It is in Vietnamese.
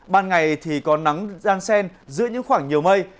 ban ngày thì có nắng giang sen giữa những khoảng nhiều mây